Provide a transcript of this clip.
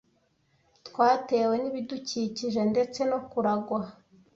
Twatewe n'ibidukikije ndetse no kuragwa.